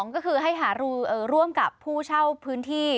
ก็คือให้หารือร่วมกับผู้เช่าพื้นที่